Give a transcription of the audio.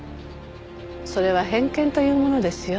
それは偏見というものですよ。